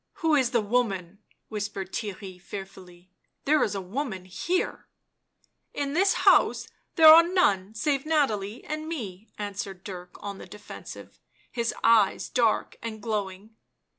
"Who is the woman?" whispered Theirry fearfully; " there is a woman here "" In this house there are none save Nathalie and me," answered Dirk on the defensive, his eyes dark and glowing.